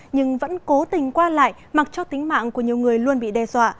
nhưng vẫn cố tình qua lại mặc cho tính mạng của nhiều người luôn bị đe dọa